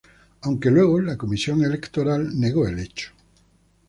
Aunque luego, la Comisión Electoral negó el hecho.